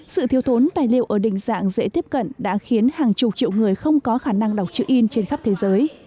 sự thiếu thốn tài liệu ở đình dạng dễ tiếp cận đã khiến hàng chục triệu người không có khả năng đọc chữ in trên khắp thế giới